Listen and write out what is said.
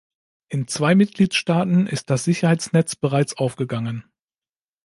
In zwei Mitgliedstaaten ist das Sicherheitsnetz bereits aufgegangen.